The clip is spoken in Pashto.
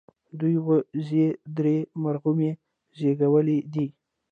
د دوي وزې درې مرغومي زيږولي دي